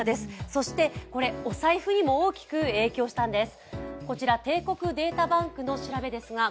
そして、お財布にも大きく影響したんです。